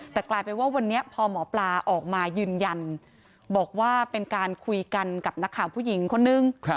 แต่กลายเป็นว่าวันนี้พอหมอปลาออกมายืนยันบอกว่าเป็นการคุยกันกับนักข่าวผู้หญิงคนนึง